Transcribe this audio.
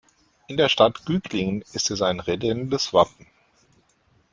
In der Stadt Güglingen ist es ein redendes Wappen.